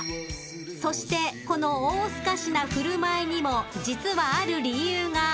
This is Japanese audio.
［そしてこの大スカしな振る舞いにも実はある理由が］